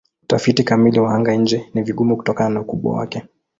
Utafiti kamili wa anga-nje ni vigumu kutokana na ukubwa wake.